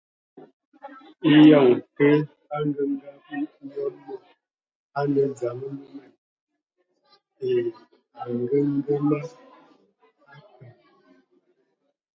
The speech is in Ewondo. Eyɔŋ tə, angəngab nyɔl mod a nə dzam alumɛn ai angəgəma atɔm.